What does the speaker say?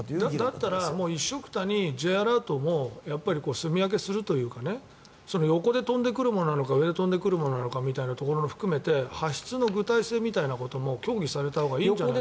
だったら一緒くたにＪアラートもすみ分けするというか横で飛んでくるものなのか上で飛んでくるものなのかも含めて発出の具体性みたいなことも協議されたほうがいいんじゃないかと。